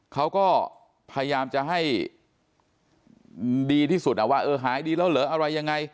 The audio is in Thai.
เขาก็พยายามจะให้ดีที่สุดว่าเออหายดีแล้วเหรออะไรยังไง